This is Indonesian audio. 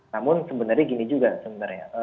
namun sebenarnya gini juga sebenarnya